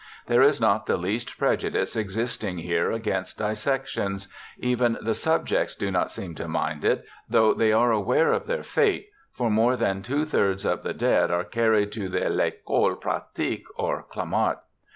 There is not the least pre judice existing here against dissections ; even the sub jects do not seem to mind it, though they are aware of their fate, for more than two thirds of the dead are carried to the I'Ecole Pratique or Clamart.